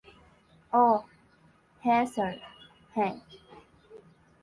ওহ, হ্যাঁ, স্যার, হ্যাঁ।